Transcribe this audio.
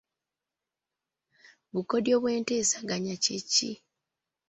Bukodyo bw'enteesaganya kye ki?